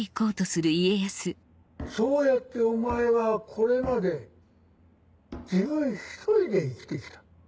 そうやってお前はこれまで自分一人で生きて来た。